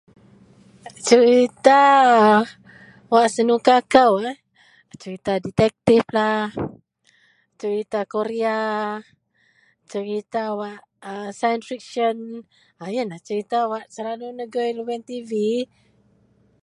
Serita wak senuka kou eh, serita detektiflah, serita Korea, serita wak a sains fiksyen. A yenlah serita wak selalu negui lubeang tv